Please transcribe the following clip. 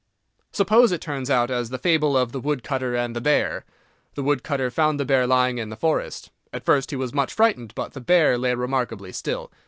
Suppose it turns out as the fable of the woodcutter and the bear? The woodcutter found the bear lying in the forest. At first he was much frightened, but the bear lay remarkably still.